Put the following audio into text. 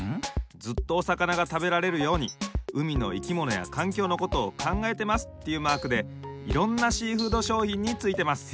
ずっとおさかながたべられるように海のいきものやかんきょうのことをかんがえてますっていうマークでいろんなシーフードしょうひんについてます。